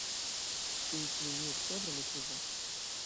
Int junio-oktobro ne pluvas.